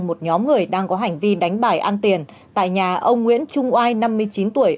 một nhóm người đang có hành vi đánh bài ăn tiền tại nhà ông nguyễn trung oai năm mươi chín tuổi